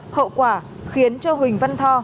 hậu quả khiến cho huỳnh văn tho